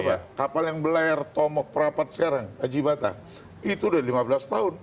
coba kapal yang belayar tomok perapat sekarang ajibata itu udah lima belas tahun